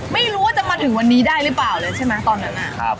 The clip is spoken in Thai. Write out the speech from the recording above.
ไม่รู้ว่าจะมาถึงวันนี้ได้หรือเปล่าเลยใช่ไหมตอนนั้น